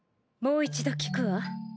もう一度聞くわ。